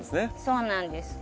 そうなんです。